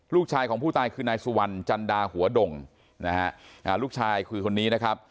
ลูกชายของผู้ตายคือนายสุวรรณจันดาหัวดงนะฮะลูกชายคือคนนี้นะครับ